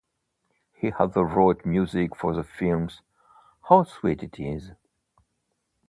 He also wrote music for the films How Sweet It Is!